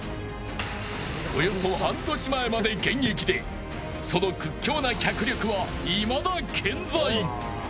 およそ半年前まで現役でその屈強な脚力は、いまだ健在。